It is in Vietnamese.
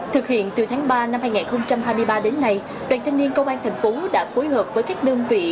thực hiện từ tháng ba năm hai nghìn hai mươi ba đến nay đoàn thanh niên công an thành phố đã phối hợp với các đơn vị